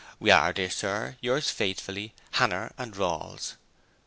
We are, dear Sir, yours faithfully, HANNER AND RAWLES.'